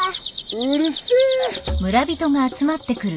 うるせえ！